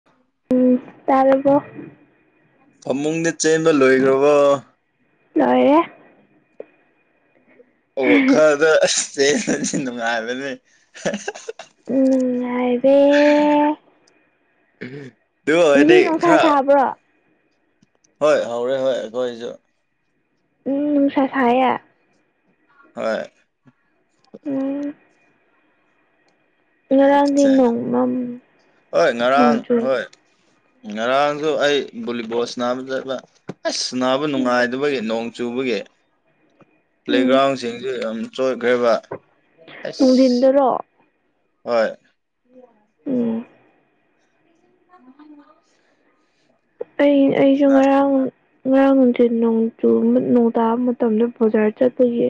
[unintelligible] ꯎꯝ ꯇꯥꯔꯔꯕꯣ ꯐꯃꯨꯡꯗ ꯆꯦꯟꯕ ꯂꯣꯏꯈ꯭ꯔꯕ ꯂꯣꯏꯌꯦꯦ ꯑꯣ ꯈꯔꯗ ꯑꯁ ꯆꯦꯟꯕꯗꯤ ꯅꯨꯡꯉꯥꯏꯕꯅꯦ ꯎꯉꯗ ꯇ ꯉꯁꯤ ꯑꯗꯤ ꯅꯨꯡꯁꯥ ꯈꯔ ꯁꯥꯕ꯭ꯔꯣ ꯍꯣꯏ ꯍꯧꯔꯦ ꯍꯣꯏ ꯑꯩꯈꯣꯏꯁꯨ ꯎꯝ ꯃꯅꯨꯡꯁꯥ ꯁꯦ ꯍꯣꯏ ꯎ ꯉꯔꯥꯡꯗꯤ ꯑꯠꯆꯥ ꯅꯣꯡ ꯃꯝ ꯍꯣꯏ ꯅꯣꯡ ꯉꯔꯥꯡ ꯆꯨꯏ ꯍꯣꯏ ꯉꯔꯥꯡꯁꯨ ꯑꯩ ꯕꯣꯂꯤꯕꯣꯁ ꯅꯥꯕ ꯆꯠꯕ ꯑꯁ ꯁꯥꯟꯅꯕ ꯅꯨꯡꯉꯥꯏꯗꯕꯒꯤ ꯅꯣꯡ ꯆꯨꯕꯒꯤ ꯎꯝ ꯄ꯭ꯂꯦꯒ꯭ꯔꯥꯎꯟꯁꯤꯡꯁꯨ ꯌꯥꯝ ꯆꯣꯏꯈ꯭ꯔꯔꯤꯕ ꯃꯨꯡꯗꯤꯤꯟꯗꯔꯣ ꯍꯣꯏ [inaudible] ꯎꯝ [unintelligible] ꯑꯩ ꯑꯩꯁꯨ ꯉꯔꯥꯡ ꯉꯔꯥꯡ ꯅꯨꯡꯊꯠ ꯅꯣꯡꯨ ꯅꯣꯡ ꯇꯥꯕ ꯃꯇꯝꯗ ꯕꯖꯥꯔ ꯆꯠꯄꯒꯤ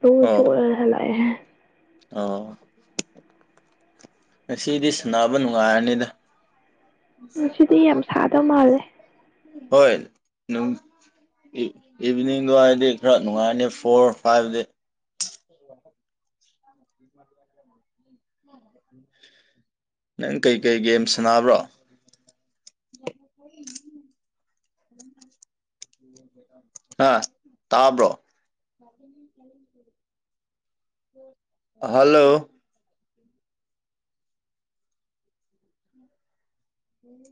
ꯇ ꯆ ꯍꯂꯑꯦ ꯑ ꯉꯁꯤꯗꯤ ꯁꯥꯟꯅꯕ ꯅꯨꯡꯉꯥꯏꯔꯅꯤꯗ ꯉ ꯁꯤꯗꯤ ꯌꯥꯝ ꯁꯥꯗꯕ ꯃꯥꯜꯂꯦ ꯍꯣꯏ ꯅ ꯏꯚꯤꯅꯤꯡꯗꯣ ꯍꯥꯏꯗꯤ ꯈꯔ ꯅꯨꯡꯉꯥꯏꯔꯅꯤ ꯐꯣꯔ ꯐꯥꯏꯚꯗꯤ [inaudible] ꯎꯝ ꯅꯪ ꯀꯩꯀꯩ ꯒꯦꯝ ꯁꯥꯟꯅꯕ꯭ꯔꯣ [unintelligible] ꯑ ꯇꯥꯕ꯭ꯔꯣ ꯃꯥ ꯍꯜꯂꯣ ꯎꯝ